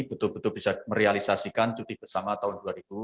betul betul bisa merealisasikan cuti bersama tahun dua ribu dua puluh